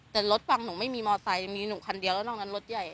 แต่รถฝั่งหนูไม่มีมอไซค์มีหนูคันเดียวแล้วนอกนั้นรถใหญ่